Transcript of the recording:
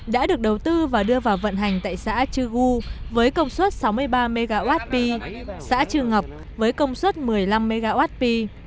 đã được đầu tư và đưa vào vận hành tại xã chư gu với công suất sáu mươi ba mwp xã chư ngọc với công suất một mươi năm mwp